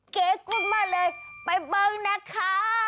เก๋กุ้งมาเลยไปเบิ้งนะคะ